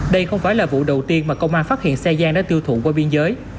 đây không phải là vụ đầu tiên mà công an phát hiện xe giang đã tiêu thụ qua biên giới